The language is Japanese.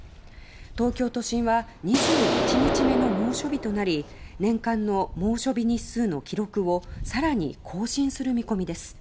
東京都心は２１日目の猛暑日となり年間の猛暑日日数の記録を更に更新する見込みです。